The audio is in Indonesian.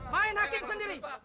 main hakim sendiri